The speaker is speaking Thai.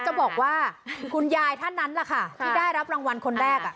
จะบอกว่าคุณยายท่านนั้นแหละค่ะที่ได้รับรางวัลคนแรก